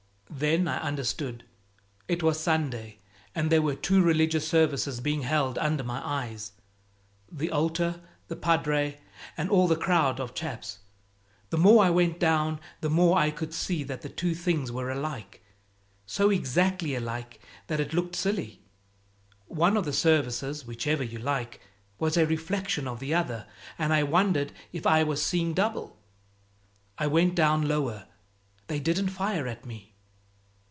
"Then I understood. It was Sunday, and there were two religious services being held under my eyes the altar, the padre, and all the crowd of chaps. The more I went down the more I could see that the two things were alike so exactly alike that it looked silly. One of the services whichever you like was a reflection of the other, and I wondered if I was seeing double. I went down lower; they didn't fire at me.